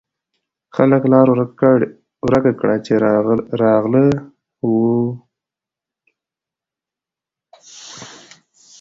خلکو لار ورکړه چې راغله و یې کتل.